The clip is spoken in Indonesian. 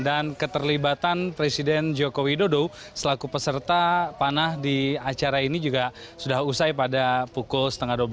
dan keterlibatan presiden jokowi dodo selaku peserta panah di acara ini juga sudah usai pada pukul setengah dua belas